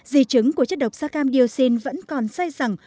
dì chứng của chất độc sacam diocin vẫn còn say rằng